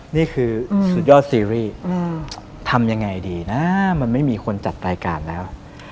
นี่คือสุดยอดซีรีส์ทำยังไงดีนะมันไม่มีคนจัดรายการแล้ว